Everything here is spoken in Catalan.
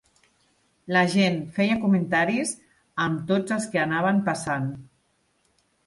La gent feia comentaris am tots els que anaven passant.